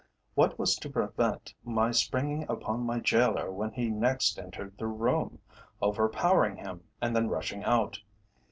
What was to prevent my springing upon my gaoler when he next entered the room, overpowering him, and then rushing out?